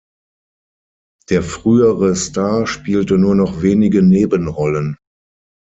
Der frühere Star spielte nur noch wenige Nebenrollen.